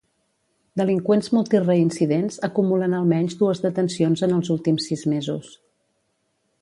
Delinqüents multireincidents acumulen almenys dues detencions en els últims sis mesos.